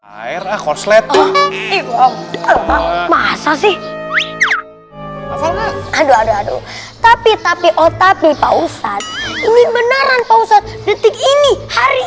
hai air akorslet oh masa sih aduh aduh tapi tapi oh tapi pausan ini beneran pausan detik ini hari